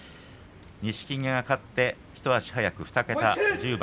錦木が勝って一足早く２桁１０番。